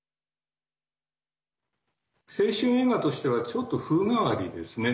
青春映画としてはちょっと風変わりですね。